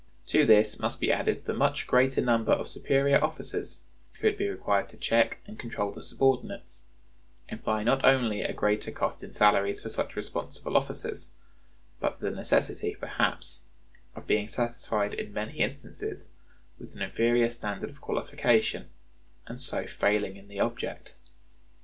To this must be added the much greater number of superior officers who would be required to check and control the subordinates, implying not only a greater cost in salaries for such responsible officers, but the necessity, perhaps, of being satisfied in many instances with an inferior standard of qualification, and so failing in the object.